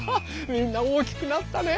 みんな大きくなったね！